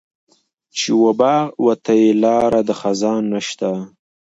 چې و باغ وته یې لار د خزان نشته.